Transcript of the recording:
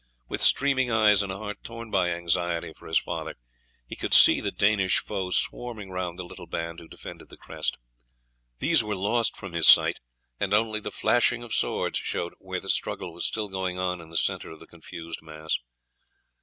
With streaming eyes and a heart torn by anxiety for his father he could see the Danish foe swarming round the little band who defended the crest. These were lost from his sight, and only the flashing of swords showed where the struggle was still going on in the centre of the confused mass.